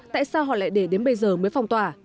tại sao họ lại để đến bây giờ mới phong tỏa